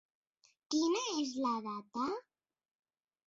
Quina és la data?